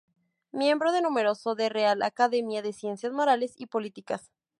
Miembro de número de Real Academia de Ciencias Morales y Políticas.